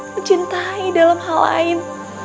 mencintai dalam hal lain